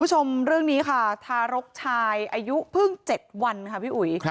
คุณผู้ชมเรื่องนี้ค่ะทารกชายอายุเพิ่ง๗วันค่ะพี่อุ๋ย